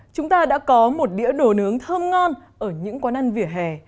chúng ta đã có một đĩa đồ nướng thơm ngon ở những quán ăn vỉa hè